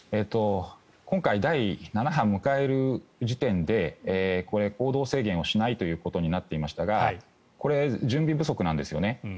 今回、第７波を迎える時点でこれ、行動制限をしないということになっていましたがこれ、準備不足なんですよね。